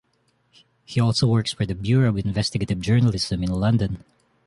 He also works for the Bureau of Investigative Journalism in London.